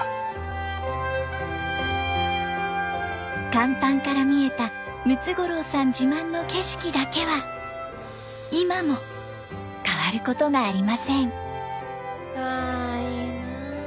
甲板から見えたムツゴロウさん自慢の景色だけは今も変わることがありません。